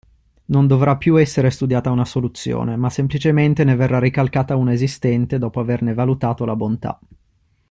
Non dovrà più essere studiata una soluzione, ma semplicemente ne verrà ricalcata una esistente dopo averne valutato la bontà.